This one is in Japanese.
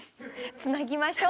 つなぎましょう。